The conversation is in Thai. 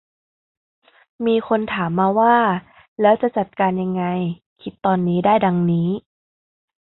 มีคนถามมาว่า แล้วจะจัดการยังไง คิดตอนนี้ได้ดังนี้